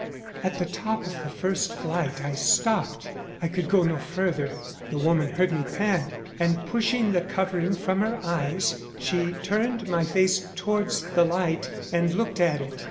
At the top of the first flight I stopped; I could go no further. The woman heard me pant, and pushing the covering from her eyes, she turned my face towards the light and looked at it.